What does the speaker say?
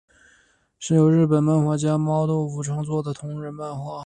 是由日本漫画家猫豆腐创作的同人漫画。